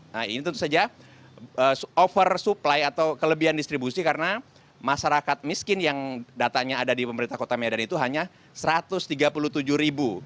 nah ini tentu saja oversupply atau kelebihan distribusi karena masyarakat miskin yang datanya ada di pemerintah kota medan itu hanya satu ratus tiga puluh tujuh ribu